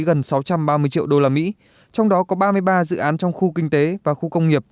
gần sáu trăm ba mươi triệu usd trong đó có ba mươi ba dự án trong khu kinh tế và khu công nghiệp